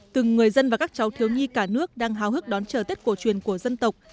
từng người dân và các cháu thiếu nhi cả nước đang hào hức đón chờ tết cổ truyền của dân tộc